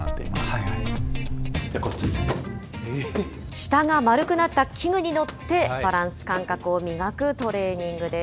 下が丸くなった器具に乗って、バランス感覚を磨くトレーニングです。